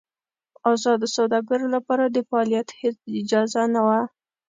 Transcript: د ازادو سوداګرو لپاره د فعالیت هېڅ اجازه نه وه.